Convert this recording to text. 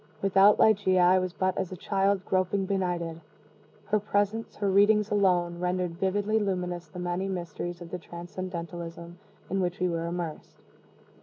Without Ligeia I was but as a child groping benighted. Her presence, her readings alone, rendered vividly luminous the many mysteries of the transcendentalism in which we were immersed.